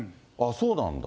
そうなんだ。